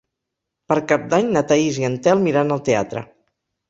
Per Cap d'Any na Thaís i en Telm iran al teatre.